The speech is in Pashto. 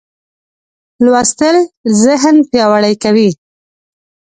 لوستل ذهن پیاوړی کوي.